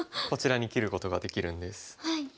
こちらに切ることができるんです。